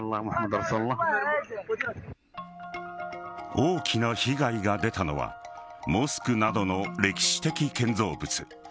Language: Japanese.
大きな被害が出たのはモスクなどの歴史的建造物。